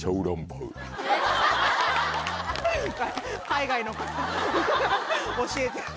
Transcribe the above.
海外の方に教えて。